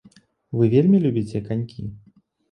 Вы вельмі любіце канькі?